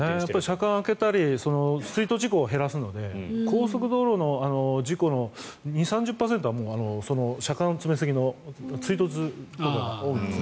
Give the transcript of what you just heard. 車間を空けたり追突事故を減らすので高速道路の事故の２０３０％は車間詰めすぎの追突事故が多いんです。